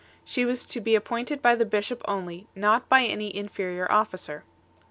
She was to be ap pointed by the bishop only, not by any inferior officer 14